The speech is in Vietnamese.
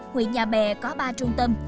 huyện nhà bè có ba trung tâm